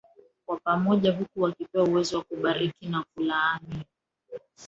Kwa pamoja huku wakipewa uwezo wa kubariki na kulaani